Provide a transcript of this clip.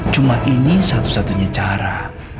cuma ini satu satunya cara